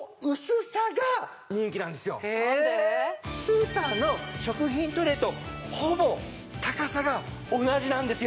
スーパーの食品トレイとほぼ高さが同じなんですよ。